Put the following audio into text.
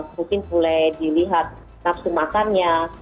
mungkin mulai dilihat napsu makannya